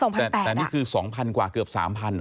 ๒๘๐๐บาทแต่นี่คือ๒๐๐๐กว่าเกือบ๓๐๐๐บาท